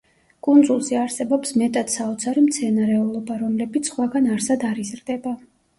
კუნძულზე არსებობს მეტად საოცარი მცენარეულობა, რომლებიც სხვაგან არსად არ იზრდება.